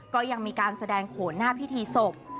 ก็ยังมีการแสดงโขนหน้าพิธีศพ